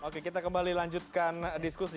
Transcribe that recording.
oke kita kembali lanjutkan diskusi